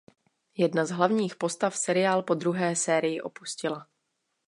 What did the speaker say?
Jedna z hlavních postav seriál po druhé sérii opustila.